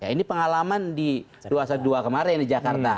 ini pengalaman di ruasan dua kemarin di jakarta